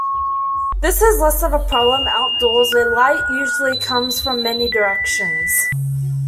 This is less of a problem outdoors where light usually comes from many directions.